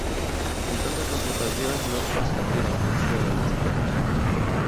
En totes les ocasions no es fa servir la funció de mostreig.